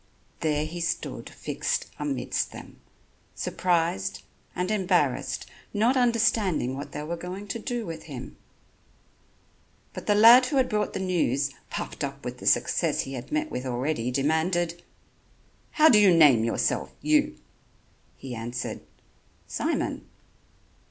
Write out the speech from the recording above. There he stood fixed amidst them, surprised and embarrassed, not understanding what they were going to do with him. But the lad who had brought the news, puffed up with the success he had met with already, demanded: "How do you name yourself, you?" He answered: "Simon."